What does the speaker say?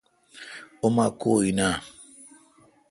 اوما کو این اؘ۔